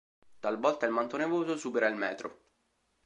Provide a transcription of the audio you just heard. Talvolta il manto nevoso supera il metro.